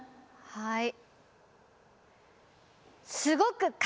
はい。